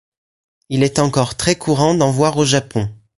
Il est encore très courant d'en voir au Japon.